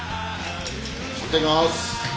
いただきます！